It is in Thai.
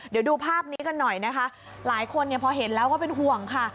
เดี๋ยวดูภาพนี้กันหน่อยนะคะหลายคนเนี่ยพอเห็นแล้วก็เป็นห่วงค่ะ